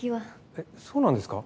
えっそうなんですか？